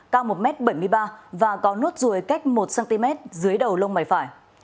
cao một m bảy mươi ba và có nốt ruồi cách một cm dưới đầu lông mày phải